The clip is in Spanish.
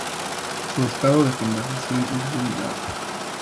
Su estado de conservación es vulnerable.